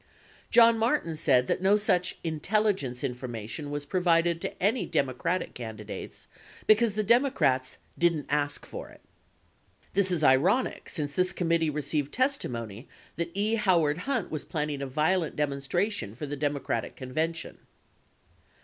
John Martin said that no such "intelligence information" was provided to any Democratic candidates, because the Democrats "didn't ask for it." 15 This is ironic since this committee received testimony that E. Howard Hunt was planning a violent demonstra tion for the Democratic convention.